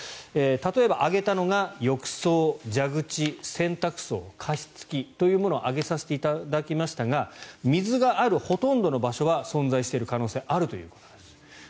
例えば挙げたのが浴槽、蛇口、洗濯槽加湿器というものを挙げさせていただきましたが水があるほとんどの場所は存在している可能性があるということです。